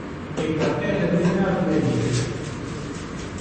Pêkhate li vir nehatine dîtin.